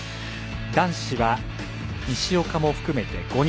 男子は西岡も含めて５人。